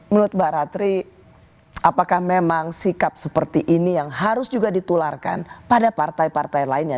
menurut mbak ratri apakah memang sikap seperti ini yang harus juga ditularkan pada partai partai lainnya